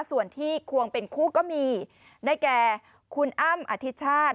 ส่วนที่ควงเป็นคู่ก็มีได้แก่คุณอ้ำอธิชาติ